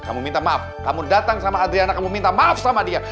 kamu minta maaf kamu datang sama adriana kamu minta maaf sama dia